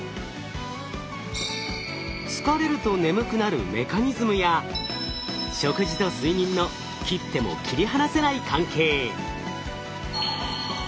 疲れると眠くなるメカニズムや食事と睡眠の切っても切り離せない関係。